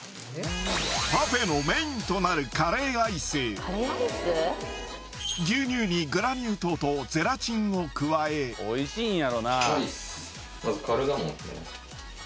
パフェのメインとなる牛乳にグラニュー糖とゼラチンを加えおいしいんやろうな。